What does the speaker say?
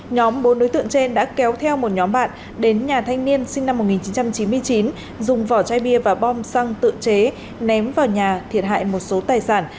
nhóm bốn đối tượng trên đã kéo theo một nhóm bạn đến nhà thanh niên sinh năm chín mươi chín dùng vỏ chai bia và bom xăng tự chế ném vào nhà thiệt hại một số tài sản